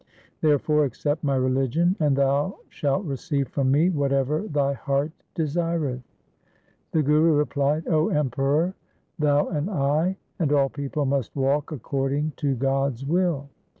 Therefore accept my religion, and thou shalt receive from me whatever thy heart desireth.' The Guru replied, ' 0 Emperor, thou and I and all people must walk according to God' s will